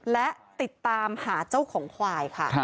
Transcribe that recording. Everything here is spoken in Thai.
และติดตามหาเจ้าของควายค่ะ